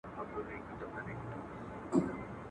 o د بارانه ولاړې، تر ناوې لاندي کښېنستې.